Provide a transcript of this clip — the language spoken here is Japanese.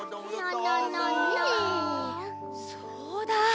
そうだ！